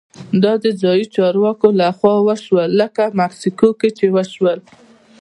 دا د ځايي چارواکو لخوا وشول لکه مکسیکو کې چې وشول.